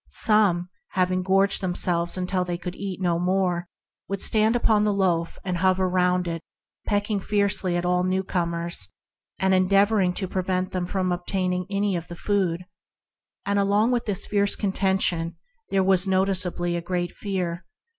Some, having gorged them selves until they could eat no more, would stand upon the loaf and hover round it, pecking fiercely at all newcomers, and endeavoring to prevent them from obtain ing any of the food. Along with this contention there was noticeable a great fear.